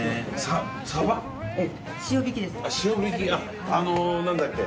あのなんだっけ。